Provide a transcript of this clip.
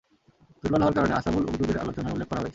দুর্বল হওয়ার কারণ আসহাবুল উখদূদের আলোচনায় উল্লেখ করা হয়েছে।